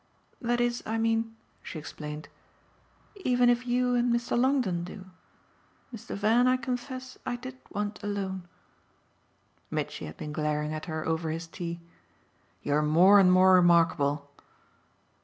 "That is, I mean," she explained, "even if you and Mr. Longdon do. Mr. Van, I confess, I did want alone." Mitchy had been glaring at her over his tea. "You're more and more remarkable!"